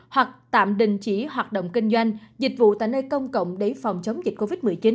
hoặc tạm đình chỉ hoạt động kinh doanh dịch vụ tại nơi công cộng để phòng chống dịch covid một mươi chín